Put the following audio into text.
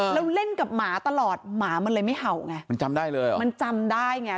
แล้วเล่นกับหมาตลอดหมามันเลยไม่เห่าไงมันจำได้เลยเหรอมันจำได้ไง